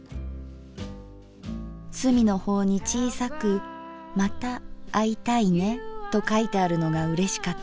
「隅の方に小さく『また逢いたいね』と書いてあるのが嬉しかった」。